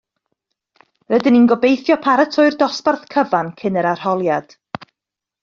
Rydyn ni'n gobeithio paratoi'r dosbarth cyfan cyn yr arholiad